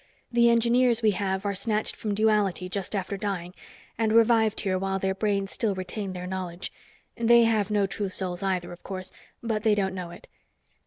The engineers we have are snatched from Duality just after dying and revived here while their brains still retain their knowledge. They have no true souls either, of course, but they don't know it.